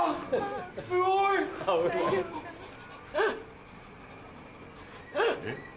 すごい！え？